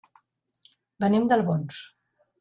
Venim d'Albons.